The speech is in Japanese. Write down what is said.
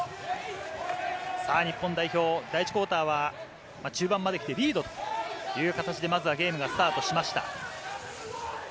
日本代表、第１クオーターは中盤まできてリードという形でゲームがスタートしました。